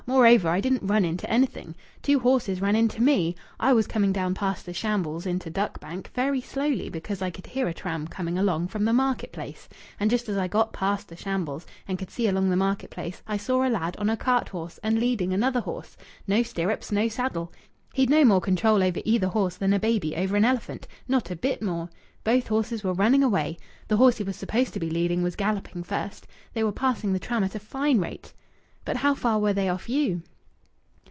Moreover, I didn't run into anything. Two horses ran into me. I was coming down past the Shambles into Duck Bank very slowly, because I could hear a tram coming along from the market place and just as I got past the Shambles and could see along the market place, I saw a lad on a cart horse and leading another horse. No stirrups, no saddle. He'd no more control over either horse than a baby over an elephant. Not a bit more. Both horses were running away. The horse he was supposed to be leading was galloping first. They were passing the tram at a fine rate." "But how far were they off you?"